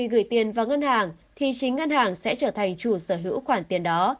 gửi tiền vào ngân hàng thì chính ngân hàng sẽ trở thành chủ sở hữu khoản tiền đó